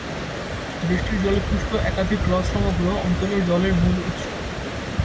বৃষ্টির জলে পুষ্ট একাধিক হ্রদ সমগ্র অঞ্চলের জলের মূল উৎস।